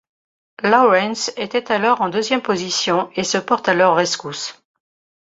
Lawrence était alors en deuxième position et se porte à leur rescousse.